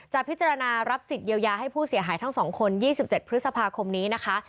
พิจารณารับสิทธิเยียวยาให้ผู้เสียหายทั้ง๒คน๒๗พฤษภาคมนี้นะคะ